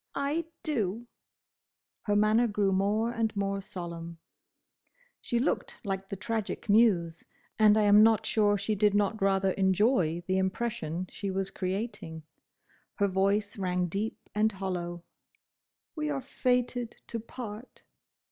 "I do!" Her manner grew more and more solemn. She looked like the Tragic Muse, and I am not sure she did not rather enjoy the impression she was creating. Her voice rang deep and hollow. "We are fated to part."